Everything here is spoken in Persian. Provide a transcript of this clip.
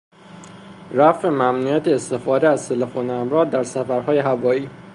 رفع ممنوعیت استفاده از تلفن همراه در سفرهای هوایی